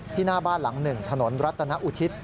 หน้าบ้านหลัง๑ถนนรัตนอุทิศ